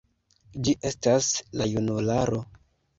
Ĝi estas la junularo.